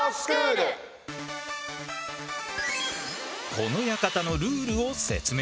この館のルールを説明しよう！